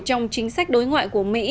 trong chính sách đối ngoại của mỹ